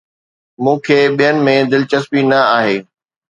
مون کي ٻين ۾ دلچسپي نه آهي